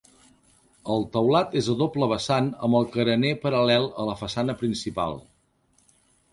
El teulat és a doble vessant amb el carener paral·lel a la façana principal.